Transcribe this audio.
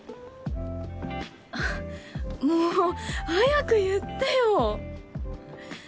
もう早く言ってよえっ？